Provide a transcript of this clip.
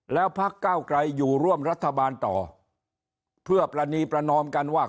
แล้วพักเก้าไกลอยู่ร่วมรัฐบาลต่อเพื่อปรณีประนอมกันว่า